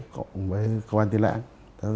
cộng với cơ quan tiên lã